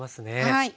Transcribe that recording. はい。